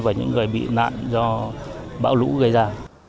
và những người bị nạn do bão lũ gây ra